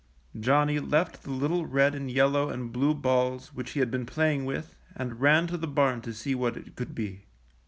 '' Johnny left the little red and yellow and blue balls which he had been playing with and ran to the barn to see what it could be.